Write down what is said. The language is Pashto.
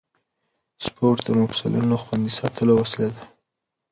سپورت د مفصلونو خوندي ساتلو وسیله ده.